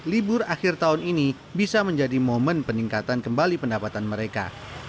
libur akhir tahun ini bisa menjadi momen peningkatan kembali pendapatan mereka